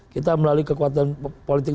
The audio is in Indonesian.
kita melalui kekuatan politik